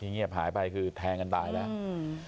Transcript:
เงียบหายไปคือแทงกันตายแล้วอืม